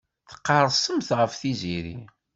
Tqerrsemt ɣef Tiziri.